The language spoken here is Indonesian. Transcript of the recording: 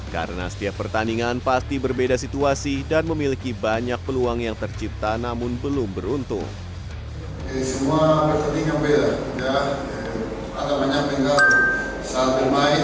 karena setiap pertandingan pasti berbeda situasi dan memiliki banyak peluang yang tercipta namun belum beruntung